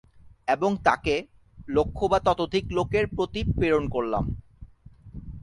এবং তাঁকে, লক্ষ বা ততোধিক লোকের প্রতি প্রেরণ করলাম।